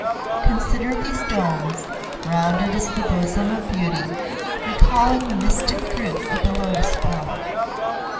Consider these domes, rounded as the Bosom of Beauty, recalling the mystic fruit of the lotus flower.